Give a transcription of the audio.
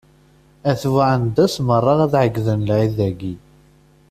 At Buɛendas meṛṛa ad ɛeggden lɛid-agi.